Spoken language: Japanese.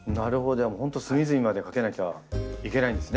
じゃあ本当隅々までかけなきゃいけないんですね。